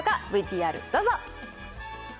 ＶＴＲどうぞ。